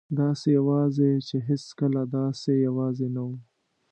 داسې یوازې چې هېڅکله داسې یوازې نه وم.